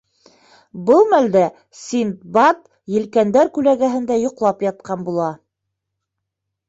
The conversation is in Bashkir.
Был мәлдә Синдбад елкәндәр күләгәһендә йоҡлап ятҡан була.